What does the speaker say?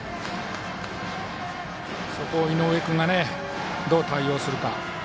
そこを井上君が、どう対応するか。